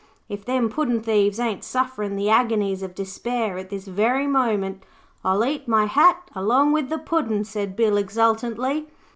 'If them puddin' thieves ain't sufferin' the agonies of despair at this very moment, I'll eat my hat along with the Puddin',' said Bill, exultantly.